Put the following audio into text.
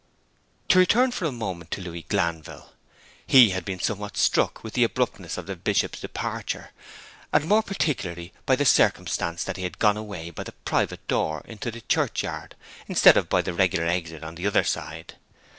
To return for a moment to Louis Glanville. He had been somewhat struck with the abruptness of the Bishop's departure, and more particularly by the circumstance that he had gone away by the private door into the churchyard instead of by the regular exit on the other side.